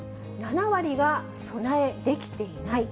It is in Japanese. ７割は備えできていない。